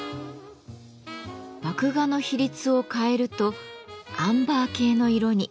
麦芽の比率を変えるとアンバー系の色に。